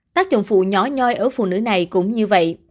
tác dụng phụ nhỏ nhoi ở phụ nữ này cũng như vậy